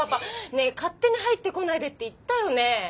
ねえ勝手に入ってこないでって言ったよね。